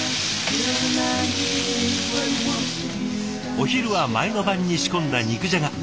お昼は前の晩に仕込んだ肉じゃが。